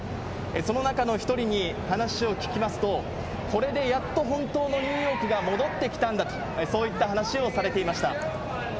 その中の一人に話を聞きますと、これでやっと本当のニューヨークが戻ってきたんだと、そういった話をされていました。